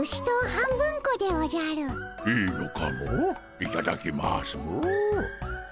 いただきますモ。